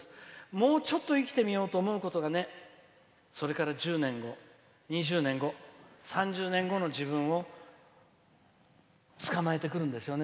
もうちょっと生きてみようと思うことがねそれから１０年後、２０年後３０年後の自分をつかまえてくるんですよね。